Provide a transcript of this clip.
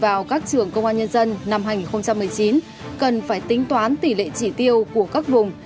vào các trường công an nhân dân năm hai nghìn một mươi chín cần phải tính toán tỷ lệ chỉ tiêu của các vùng